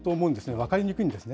分かりにくいんですね。